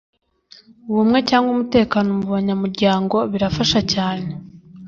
ubumwe cyangwa umutekano mu banyamuryango birafasha cyane